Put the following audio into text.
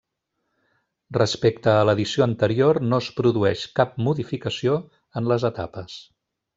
Respecte a l'edició anterior no es produeix cap modificació en les etapes.